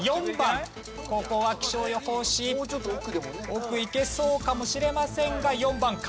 ここは気象予報士奥いけそうかもしれませんが。